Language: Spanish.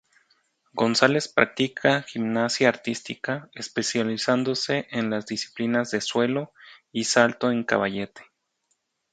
González practica gimnasia artística, especializándose en las disciplinas de suelo y salto en caballete.